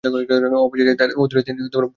অবশেষে তার অদূরেই তিনি ভূপতিত হলেন।